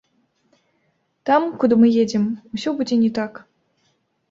Там, куды мы едзем, усё будзе не так.